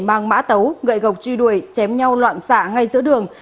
mang mã tấu gậy gọc truy đuổi chém nhau loạn xạ ngay giữa đường